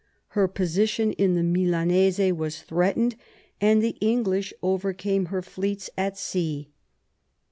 Her position in the Milanese was threatened, and the English over came her iSeets at sea.